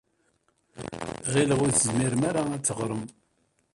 Ɣileɣ ur tezmirem ara ad teɣṛem.